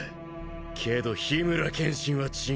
けど緋村剣心は違うぜ。